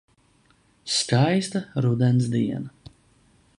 Skaista rudens diena.